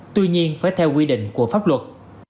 tuy nhiên phải theo quy định của pháp luật